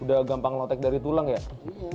udah gampang lotek dari tulang ya